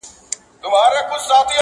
نه پر چا احسان د سوځېدو لري٫